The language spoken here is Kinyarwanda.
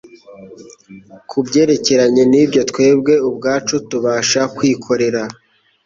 Ku byerekeranye n’ibyo twebwe ubwacu tubasha kwikorera,